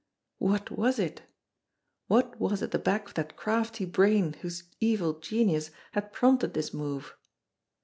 What was it? What was at the back of that crafty brain whose evil genius had prompted this move